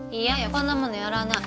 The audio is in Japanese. こんなものやらない。